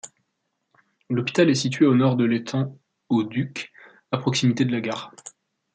L'hôpital est situé au nord de l'étang au Duc, à proximité de la gare.